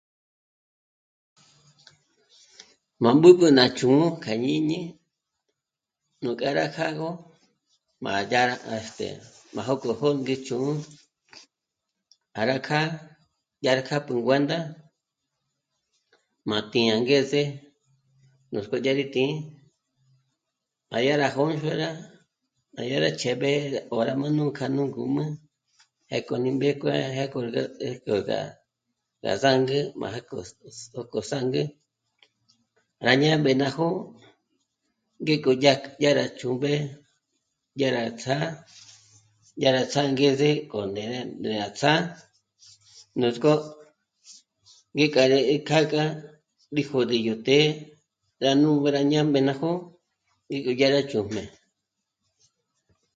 Má b'ǚb'ü ná chjǘ'ü k'a jñíñi, nú kjâ'a rá kjâgö má dyá rá, este... má jók'ò ngé chjǘ'ü, já rá kjâ'a, yá kjápjü nguénda má tí'i angeze, nuts'k'ó dyà rí tǐ'i, má yá rá jônxora, má dyá rá chéb'e 'óra má nú k'a nú ngǔm'ü pjék'o mí mbéjkue, pjék'o má ngó gá zángü má já k'o, este... jó k'o zángü, rá ñáb'e ná jó'o, ngék'o dyá rá chúb'e, dyá rá ts'á'a. dyá rá ts'á'a angeze k'o ndére má ts'á'a, nuts'k'ó ngék'a rí kjâ'a gí jôd'i yó të́'ë rá ñú'u gá ñâmbe ná jó'o, ngík'o dyá rá chújmé